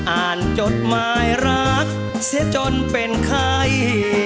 อ่านจดหมายรักเสร็จจนเป็นใคร